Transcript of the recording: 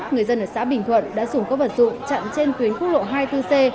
người dân ở xã bình thuận đã dùng các vật dụng chặn trên tuyến quốc lộ hai mươi bốn c